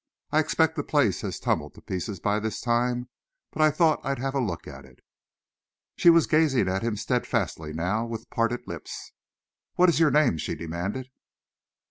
I expect the place has tumbled to pieces by this time, but I thought I'd have a look at it." She was gazing at him steadfastly now, with parted lips. "What is your name?" she demanded.